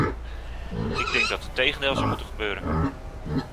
Ik denk dat het tegendeel zou moeten gebeuren.